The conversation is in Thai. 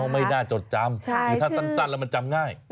ไม่น่าจดจำคือถ้าสั้นแล้วมันจำง่าย